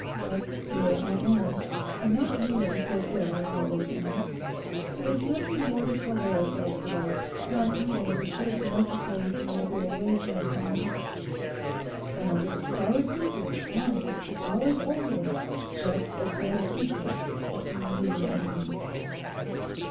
But here I am; and not nearly so ill as I look, Alice; and there's nothing more to trouble ourselves about; not even if it should be necessary for me to go away for a time. And this is our secret, mind; ours only; just a dead secret between you and me.